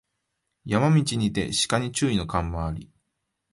山道にて鹿に注意の看板あり